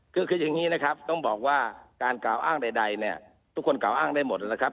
คืออย่างนี้นะครับต้องบอกว่าการกล่าวอ้างใดเนี่ยทุกคนกล่าวอ้างได้หมดนะครับ